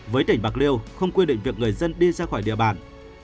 với tỉnh bạc liêu không quy định việc người dân đi ra khỏi địa bàn